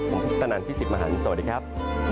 ผมตนันพี่สิบหมารสวัสดีครับ